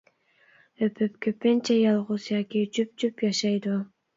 ھۆپۈپ كۆپىنچە يالغۇز ياكى جۈپ-جۈپ ياشايدۇ.